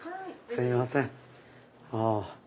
すいません